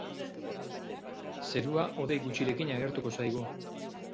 Zerua hodei gutxirekin agertuko zaigu.